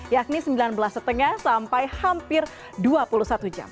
yakni sembilan belas lima sampai hampir dua puluh satu jam